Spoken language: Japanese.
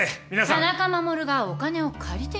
田中守がお金を借りていたと？